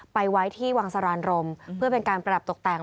ไปไว้ที่วังสรานรมเพื่อเป็นการประดับตกแต่ง